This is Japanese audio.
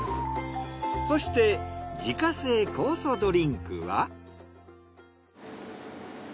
そして自家製酵素ドリンクは？